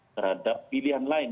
terhadap pilihan lain